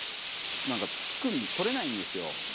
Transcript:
なんか付く取れないんですよ。